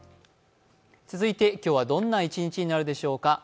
続いて、今日はどんな１日になるでしょうか？